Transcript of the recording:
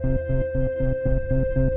saya yang menang